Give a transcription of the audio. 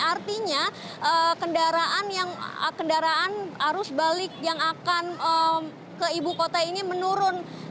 artinya kendaraan arus balik yang akan ke ibu kota ini menurun